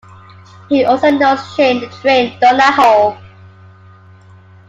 He also knows Shane "The Train" Donahoe.